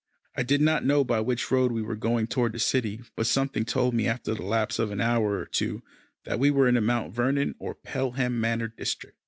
I did not know by which road we were going toward the city, but something told me after the lapse of an hour or two, that we were in the Mount Vernon or Pelham Manor district.